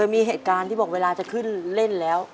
มีเหตุการณ์ที่บอกเวลาจะขึ้นเล่นแล้ว